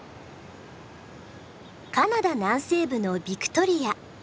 カナダ南西部のビクトリア。